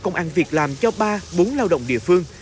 công an việc làm cho ba bốn lao động địa phương